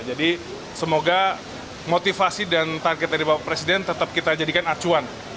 jadi semoga motivasi dan target dari bapak presiden tetap kita jadikan acuan